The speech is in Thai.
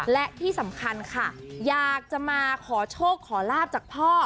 และที่สำคัญค่ะอยากจะมาขอโชคขอลาบจากพ่อ